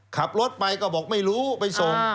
ขับรถไปก็บอกไม่รู้ไปส่ง